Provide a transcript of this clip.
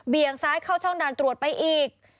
เบียงซ้ายเข้าช่องดันตรวจไปอีก